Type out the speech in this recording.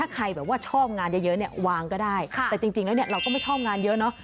เก็บไว้ใต้โต๊ะ